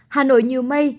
hà nội nhiều mây